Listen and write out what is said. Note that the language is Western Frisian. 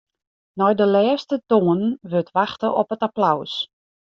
Nei de lêste toanen wurdt wachte op it applaus.